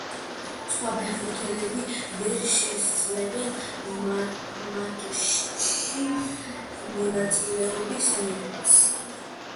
სხვა ფეხბურთელები ვერ შესძლებენ მატჩში მონაწილეობის მიღებას.